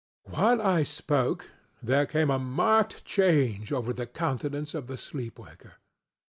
While I spoke, there came a marked change over the countenance of the sleep waker.